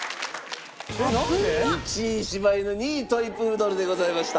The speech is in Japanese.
１位柴犬２位トイ・プードルでございました。